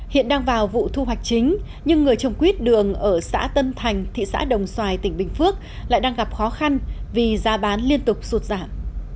hiện đang vào vụ thu hoạch chính nhưng người trồng quýt đường ở xã tân thành thị xã đồng xoài tỉnh bình phước lại đang gặp khó khăn vì giá bán liên tục sụt giảm